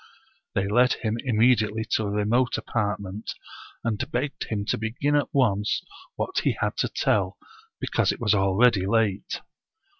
They led him immediately to a remote apartment, and begged him to begin at once what he had to tell, be cause it was already late.